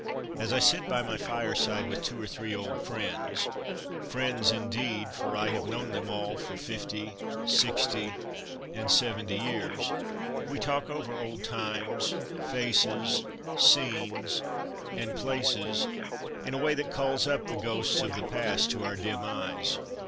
As I sit by my fire side with two or three old friends friends, indeed, for I have known them all for fifty, sixty, and seventy years we talk over old times, faces, scenes and places, in a way that calls up the ghosts of the past to our dim eyes.